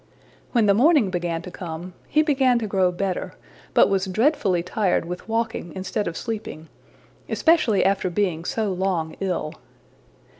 When the morning began to come, he began to grow better, but was dreadfully tired with walking instead of sleeping, especially after being so long ill.